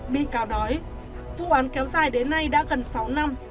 bị cáo nói vụ án kéo dài đến nay đã gần sáu năm